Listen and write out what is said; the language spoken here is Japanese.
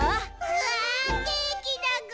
うわケーキだぐ！